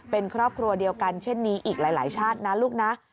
เป็นครอบครัวเดียวกันเช่นนี้อีกหลายชาตินะลูกนะ